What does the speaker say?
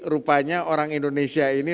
rupanya orang indonesia ini